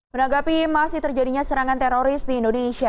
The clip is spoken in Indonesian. menanggapi masih terjadinya serangan teroris di indonesia